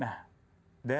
nah dari pertanyaan pertanyaan